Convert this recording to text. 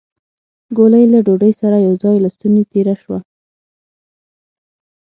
ګولۍ له ډوډۍ سره يو ځای له ستونې تېره شوه.